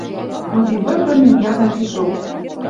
Но ти выртын мӹнь ядам пишок: